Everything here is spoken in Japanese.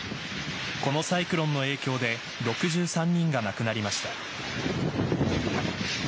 このサイクロンの影響で６３人が亡くなりました。